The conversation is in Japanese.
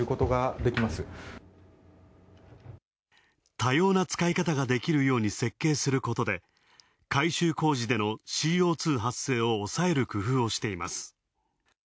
多様な使い方ができるように設計することで、改修工事でのＣＯ２発生を抑える工夫をしています。